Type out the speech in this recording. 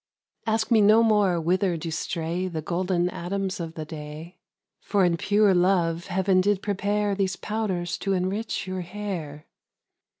Ask me no more whither do stray 5 The golden atoms of the day; For in pure love heaven did prepare Those powders to enrich your hair.